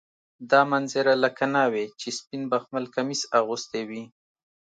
دا منظره لکه ناوې چې سپین بخمل کمیس اغوستی وي.